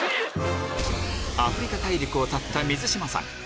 アフリカ大陸をたった水島さん